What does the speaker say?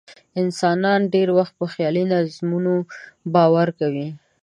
انسانان ډېری وخت په خیالي نظمونو باور کوي.